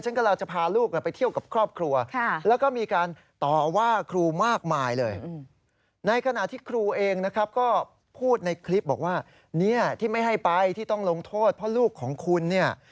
ฉันกำลังจะพาลูกไปเที่ยวกับครอบครัวแล้วก็มีการต่อว่าครูมากมายเลย